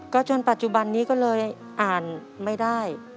จนปัจจุบันนี้ก็เลยอ่านไม่ได้